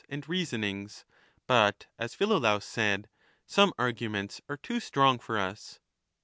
8 I225« and reasonings, but, as Philolaus said, some arguments are too strong for us.